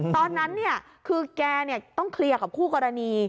ตอนนั้นคือแกต้องเคลียร์กับคู่กรณี